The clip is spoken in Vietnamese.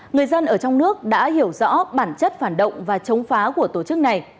người dân ở trong nước đã hiểu rõ bản chất phản động và chống phá của tổ chức này